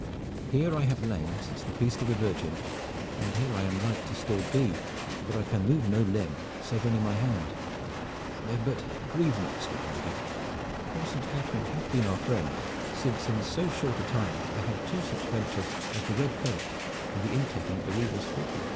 Here I have lain since the Feast of the Virgin, and here I am like still to be, for I can move no limb, save only my hand; but grieve not, sweet lady, for Saint Catharine hath been our friend since in so short a time I had two such ventures as the Red Ferret and the intaking of the Reaver's fortalice.